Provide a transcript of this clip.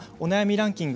ランキング